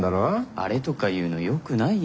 アレとか言うのよくないよ